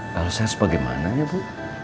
lalu saya harus bagaimana ya bu